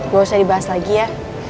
gak usah dibahas lagi ya